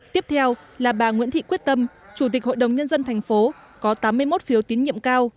tiếp theo là bà nguyễn thị quyết tâm chủ tịch hội đồng nhân dân thành phố có tám mươi một phiếu tín nhiệm cao